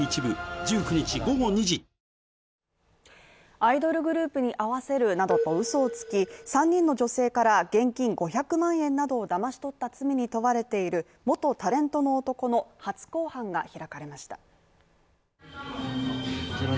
アイドルグループに会わせるなどとうそをつき３人の女性から現金５００万円などをだまし取った罪に問われている元タレントの男の初公判が開かれました。